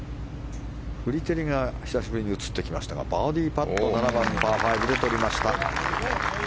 フリテリが久しぶりに映ってきましたがバーディーパット７番、パー５で取りました。